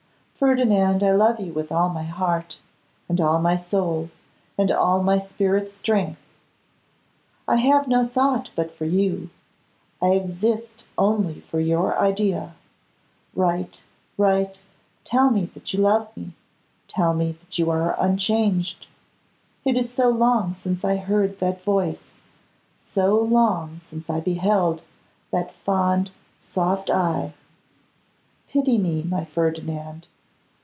Ferdinand, I love you with all my heart, and all my soul, and all my spirit's strength. I have no thought but for you, I exist only on your idea. Write, write; tell me that you love me, tell me that you are unchanged. It is so long since I heard that voice, so long since I beheld that fond, soft eye! Pity me, my Ferdinand.